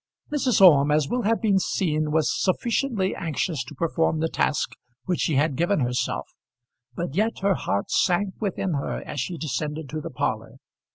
Mrs. Orme, as will have been seen, was sufficiently anxious to perform the task which she had given herself, but yet her heart sank within her as she descended to the parlour.